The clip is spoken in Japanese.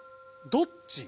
どっち？